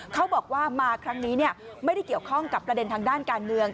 เขาบอกว่ามาครั้งนี้ไม่ได้เกี่ยวข้องกับประเด็นทางด้านการเมือง